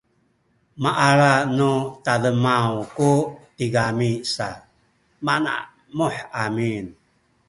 maala nu tademaw ku tigami sa manamuh amin